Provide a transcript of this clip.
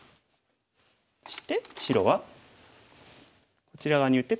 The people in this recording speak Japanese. そして白はこちら側に打って。